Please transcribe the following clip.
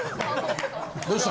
どうした？